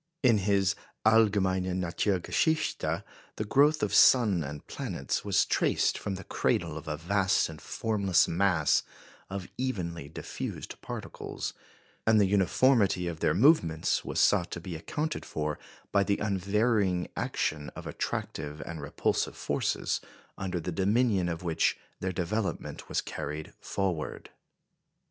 In his Allgemeine Naturgeschichte the growth of sun and planets was traced from the cradle of a vast and formless mass of evenly diffused particles, and the uniformity of their movements was sought to be accounted for by the unvarying action of attractive and repulsive forces, under the dominion of which their development was carried forward.